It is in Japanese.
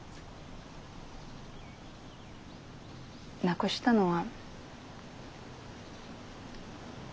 亡くしたのは。